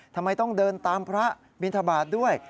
ทำไมต้องเดินตามพระบินทบาทด้วย